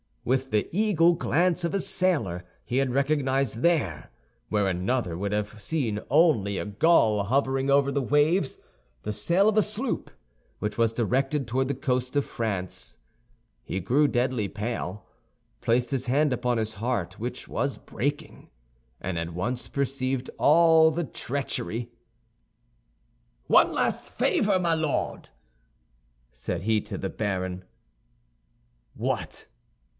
With the eagle glance of a sailor he had recognized there, where another would have seen only a gull hovering over the waves, the sail of a sloop which was directed toward the coast of France. He grew deadly pale, placed his hand upon his heart, which was breaking, and at once perceived all the treachery. "One last favor, my Lord!" said he to the baron. "What?"